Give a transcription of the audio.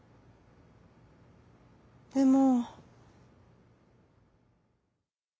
「でも」。